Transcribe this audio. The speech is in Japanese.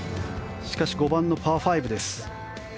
しかし、５番のパー５です。